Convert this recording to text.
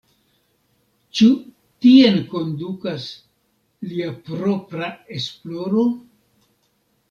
Ĉu tien kondukas lia propra esploro?